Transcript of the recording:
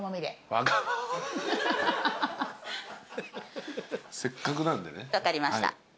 分かりました。